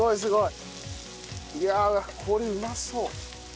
いやこれうまそう。